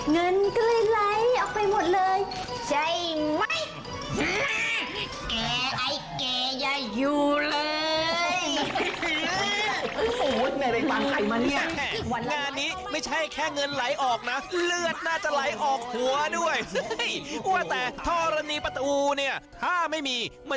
เงินก็เลยไหลออกไปหมดเลย